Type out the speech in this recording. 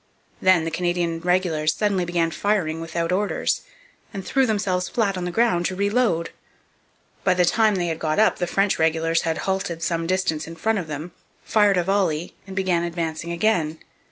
Then the Canadian regulars suddenly began firing without orders, and threw themselves flat on the ground to reload. By the time they had got up the French regulars had halted some distance in front of them, fired a volley, and begun advancing again.